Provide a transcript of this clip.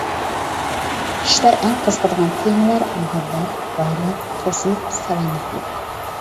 كىشىلەر ئەڭ قىزىقىدىغان تېمىلار مۇھەببەت، بايلىق، كەسىپ، سالامەتلىك.